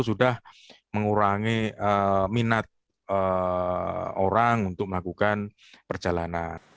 sudah mengurangi minat orang untuk melakukan perjalanan